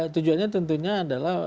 tujuannya tentunya adalah